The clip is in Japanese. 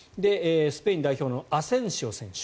スペイン代表のアセンシオ選手。